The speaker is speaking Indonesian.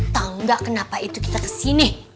tau gak kenapa itu kita kesini